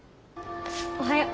おはよう。